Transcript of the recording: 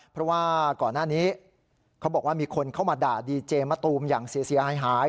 เพราะว่าก่อนหน้านี้เขาบอกว่ามีคนเข้ามาด่าดีเจมะตูมอย่างเสียหาย